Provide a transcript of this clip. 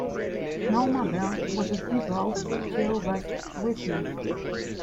Norma Belle was a devout Jehovah's Witness.